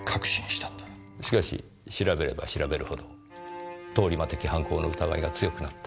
しかし調べれば調べるほど通り魔的犯行の疑いが強くなった。